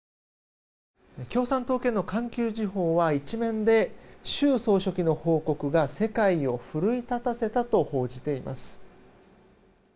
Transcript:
共産党系の環球時報は１面で、習総書記の報告が世界を奮い立たせたと報じています。